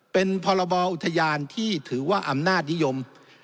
เป็นพรบอุทยานที่ถือว่าอำนาจนิยม